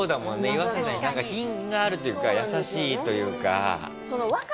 イワサキさん品があるというか優しいというか。